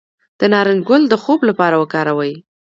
د نارنج ګل د خوب لپاره وکاروئ